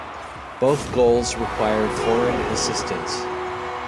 Both goals required foreign assistance.